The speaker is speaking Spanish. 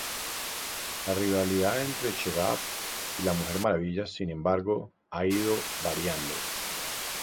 La rivalidad entre Cheetah y la Mujer Maravilla sin embargo, ha ido variando.